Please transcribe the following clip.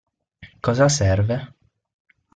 Cosa serve?